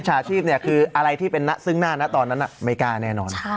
พิชาชีพเนี่ยคืออะไรที่เป็นซึ้งหน้าตอนนั้นน่ะไม่กล้าแน่นอน